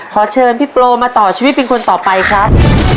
ขอเชิญพี่โปรมาต่อชีวิตเป็นคนต่อไปครับ